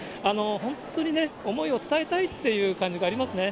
本当にね、思いを伝えたいっていう感じがありますね。